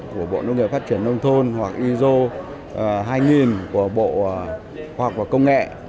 hai trăm một mươi năm của bộ nông nghiệp phát triển nông thôn hoặc iso hai nghìn của bộ khoa học và công nghệ